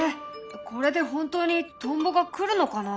これで本当にトンボが来るのかな？